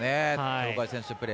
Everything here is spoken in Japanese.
鳥海選手のプレー。